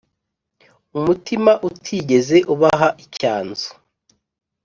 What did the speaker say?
Umutima utigeze ubaha icyanzu.